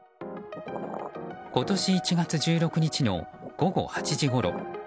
今年１月１６日の午後８時ごろ。